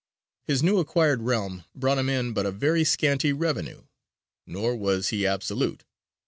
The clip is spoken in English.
His new acquired realm brought him in but a very scanty revenue; nor was he absolute....